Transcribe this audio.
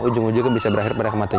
ujung ujungnya bisa berakhir pada kematian